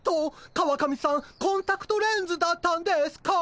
川上さんコンタクトレンズだったんですか？